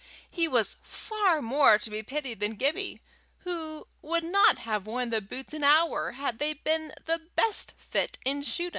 He was far more to be pitied than Gibbie, who would not have worn the boots an hour had they been the best fit in shoedom.